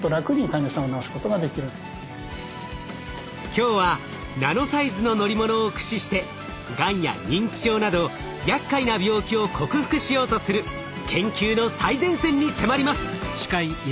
今日はナノサイズの乗り物を駆使してがんや認知症などやっかいな病気を克服しようとする研究の最前線に迫ります！